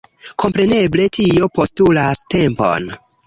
Kompreneble tio postulas tempon.